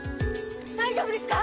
大丈夫ですか？